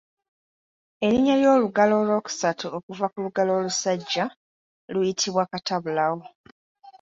Erinnya ly’olugalo olwokusatu okuva ku lugalo olusajja luyitibwa katabulawo.